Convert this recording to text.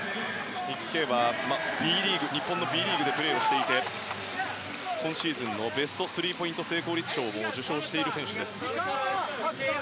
ニック・ケイは日本のＢリーグでプレーをしていて今シーズンのベストスリーポイント成功率賞を受賞している選手です。